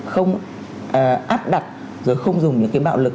không áp đặt rồi không dùng những cái bạo lực